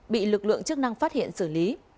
bị lực lượng chức năng phát hiện xử lý